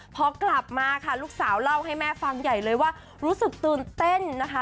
พอกลับมาค่ะลูกสาวเล่าให้แม่ฟังใหญ่เลยว่ารู้สึกตื่นเต้นนะคะ